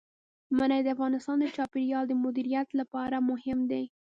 منی د افغانستان د چاپیریال د مدیریت لپاره مهم دي.